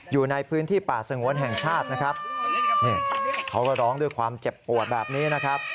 อยู่ในพื้นที่ป่าสงวนแห่งชาตินะครับนี่เขาก็ร้องด้วยความเจ็บปวดแบบนี้นะครับ